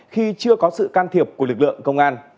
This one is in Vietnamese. khi chưa có sự can thiệp của lực lượng công an